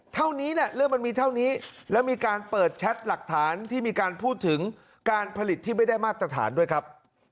เท่านี้เนี่ยเรื่องมันมีเท่านี้แล้วมีการเปิดแชทหลักฐานที่มีการพูดถึงการผลิตที่ไม่ได้มาตรฐานด้วยครับ